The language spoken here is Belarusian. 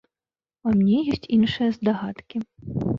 У мяне ёсць іншыя здагадкі.